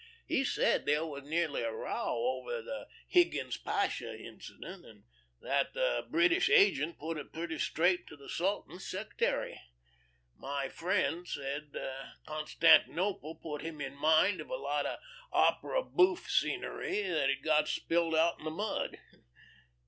He said that there was nearly a row over the 'Higgins Pasha' incident, and that the British agent put it pretty straight to the Sultan's secretary. My friend said Constantinople put him in mind of a lot of opera bouffe scenery that had got spilled out in the mud.